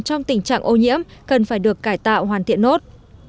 trong tình trạng ô nhiễm cần phải được cải tạo hoàn thiện nốt